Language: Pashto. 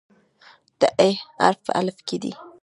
د "ح" حرف په الفبا کې دی.